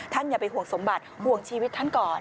อย่าไปห่วงสมบัติห่วงชีวิตท่านก่อน